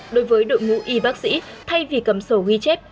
đối với đội ngũ y bác sĩ thay vì cầm sổ ghi chép